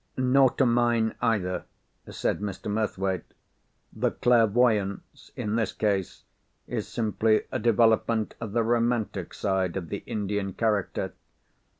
"Nor to mine either," said Mr. Murthwaite. "The clairvoyance in this case is simply a development of the romantic side of the Indian character.